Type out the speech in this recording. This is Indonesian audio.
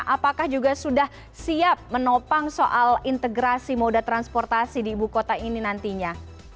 apakah juga sudah siap menopang soal integrasi moda transportasi di ibu kota ini nantinya